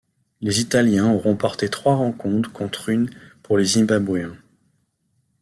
Les Italiens ont remporté trois rencontres contre une pour les Zimbabwéen.